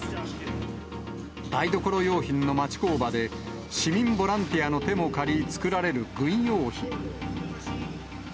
台所用品の町工場で、市民ボランティアの手も借り、作られる軍用品。